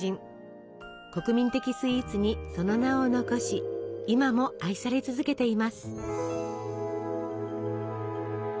国民的スイーツにその名を残し今も愛され続けています。